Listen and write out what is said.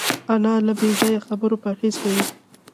انا له بېځایه خبرو پرهېز کوي